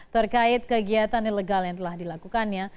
terkait kegiatan ilegal yang telah dilakukannya